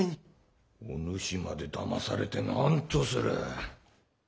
お主までだまされて何とする。